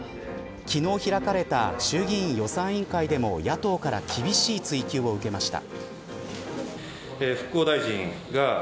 昨日開かれた衆議院予算委員会でも野党から厳しい追及を受けました。